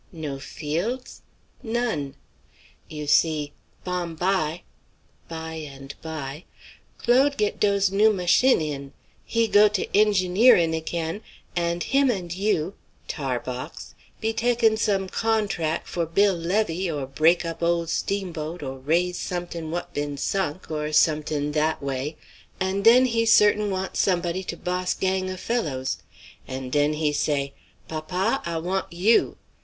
No fields? None: "You see, bom bye [by and by] Claude git doze new mash in' all right, he go to ingineerin' agin, and him and you [Tarbox] be takin' some cawntrac' for buil' levee or break up old steamboat, or raise somet'in' what been sunk, or somet'in' dat way. And den he certain' want somboddie to boss gang o' fellows. And den he say, 'Papa, I want you.'